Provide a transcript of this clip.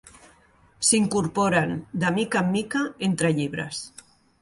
S'incorporen de mica en mica entre llibres.